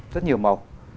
rất nhiều màu